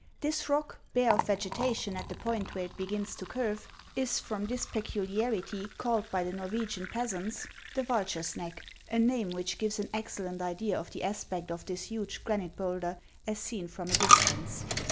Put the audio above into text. This rock, bare of vegetation at the point where it begins to curve, is, from this peculiarity, called by the Norwegian peasants HANS OF ICELAND. 231 the Vulture's Xeck, — a name which gives an excellent idea of the aspect of this huge granite bowlder as seen from a distance.